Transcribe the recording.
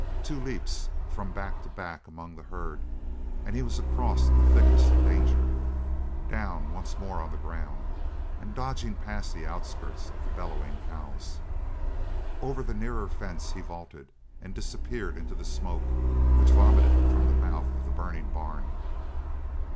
Two leaps, from back to back among the herd, and he was across the thickest of danger, down once more on the ground, and dodging past the outskirts of the bellowing cows. Over the nearer fence he vaulted and disappeared into the smoke which vomitted from the mouth of the burning barn.